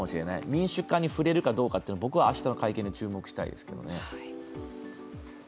民主化に触れるかどうかというのを、明日の会見で注目したいですけどね。